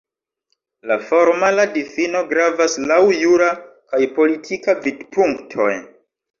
La formala difino gravas laŭ jura kaj politika vidpunktoj.